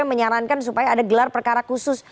menyarankan supaya ada gelar perkara khusus